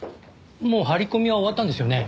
もう張り込みは終わったんですよね？